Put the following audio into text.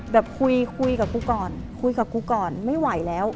แบบคุยคุยกับกูก่อนคุยกับกูก่อนไม่ไหวแล้ว